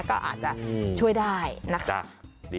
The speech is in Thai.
ก็อาจจะช่วยได้นะคะ